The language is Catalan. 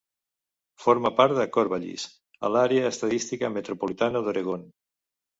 Forma part de Corvallis, a l'àrea estadística metropolitana d'Oregon.